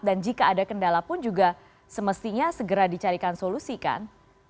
jika ada kendala pun juga semestinya segera dicarikan solusi kan